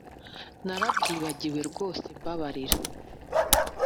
narabyibagiwe rwose mbabarira